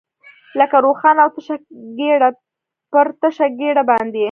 لکه روښانه او تشه ګېډه، پر تشه ګېډه باندې.